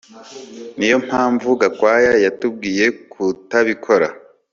Niyo mpamvu Gakwaya yatubwiye kutabikora